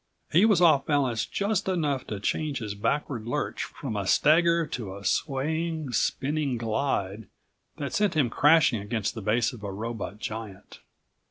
He was off balance just enough to change his backward lurch from a stagger to a swaying, spinning glide that sent him crashing against the base of a robot giant.